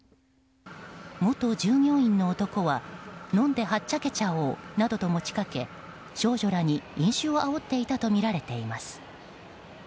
元従業員の男は、飲んではっちゃけちゃおうなどと持ち掛け少女らに飲酒をあおっていたとみられています。